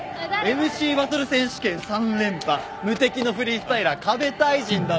ＭＣバトル選手権３連覇無敵のフリースタイラーＫＡＢＥ太人だべ。